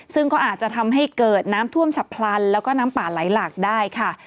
ซึ่งก็อาจจะทำให้เกิดน้ำท่วมฉับพลันแล้วก็น้ำป่าไหลหลากได้ค่ะ